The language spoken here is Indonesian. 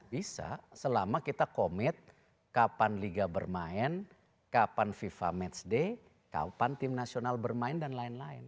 bisa selama kita komit kapan liga bermain kapan fifa match day kapan tim nasional bermain dan lain lain